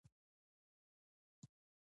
بېګاه مي خوب ته راغلې!